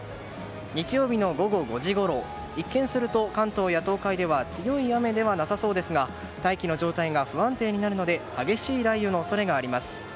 日曜日の午後５時ごろ一見すると関東や東海では強い雨ではなさそうですが大気の状態が不安定になるので激しい雷雨の恐れがあります。